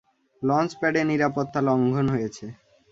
লঞ্চ-প্যাডে নিরাপত্তা লঙ্ঘন হয়েছে।